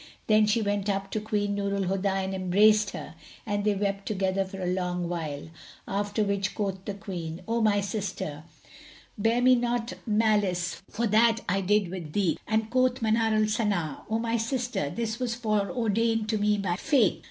Then she went up to Queen Nur al Huda and embraced her, and they wept together a long while; after which quoth the Queen, "O my sister, bear me not malice for that I did with thee;" and quoth Manar al Sana, "O my sister, this was foreordained to me by Fate."